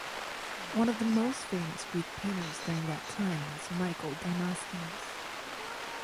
One of the most famous Greek painters during that time was Michael Damaskinos.